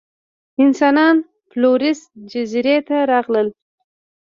انسانان فلورېس جزیرې ته راغلل.